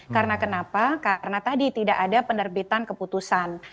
karena kenapa karena tadi tidak ada penerbitan keputusan